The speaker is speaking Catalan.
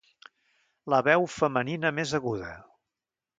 La veu femenina més aguda.